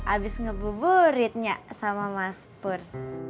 abis ngebubur ritnya sama mas pur